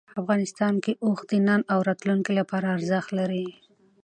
افغانستان کې اوښ د نن او راتلونکي لپاره ارزښت لري.